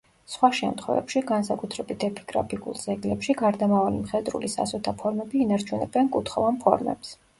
სხვა შემთხვევებში, განსაკუთრებით ეპიგრაფიკულ ძეგლებში, გარდამავალი მხედრულის ასოთა ფორმები ინარჩუნებენ კუთხოვან ფორმებს.